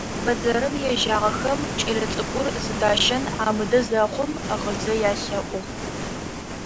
Бэдзэрым ежьагъэхэм кӏэлэцӏыкӏур зыдащэн амыдэ зэхъум гъызэ ялъэӏугъ.